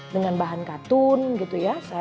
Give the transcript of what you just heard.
dengan bahan katun gitu ya